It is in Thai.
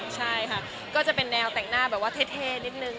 ใช่ค่ะก็จะเป็นแนวแต่งหน้าแบบว่าเท่นิดนึง